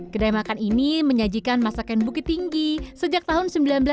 kedai makan ini menyajikan masakan bukit tinggi sejak tahun seribu sembilan ratus delapan puluh